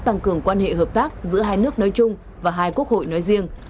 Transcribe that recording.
tăng cường quan hệ hợp tác giữa hai nước nói chung và hai quốc hội nói riêng